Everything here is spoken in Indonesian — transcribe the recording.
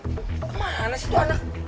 kemana sih itu anak